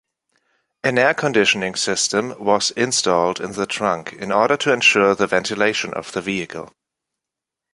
An air conditioning system was installed in the trunk, in order to ensure the ventilation of the vehicle.